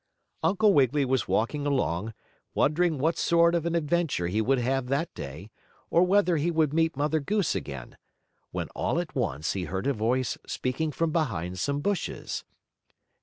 Uncle Wiggily was walking along, wondering what sort of an adventure he would have that day, or whether he would meet Mother Goose again, when all at once he heard a voice speaking from behind some bushes.